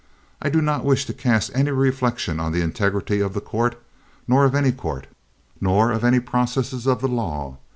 I do not wish to cast any reflection on the integrity of the court, nor of any court, nor of any of the processes of law.